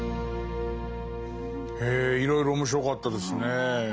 へえいろいろ面白かったですね。